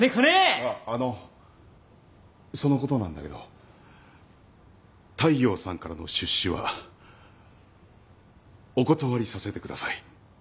あっあのそのことなんだけど大陽さんからの出資はお断りさせてください。